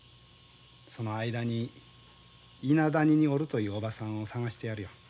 その間に伊那谷におるというおばさんを捜してやるよ。